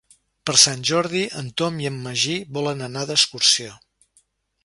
Per Sant Jordi en Tom i en Magí volen anar d'excursió.